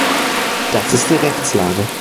Das ist die Rechtslage.